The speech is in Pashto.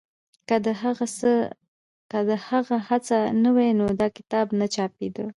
که د هغه هڅه نه وای نو دا کتاب نه چاپېده.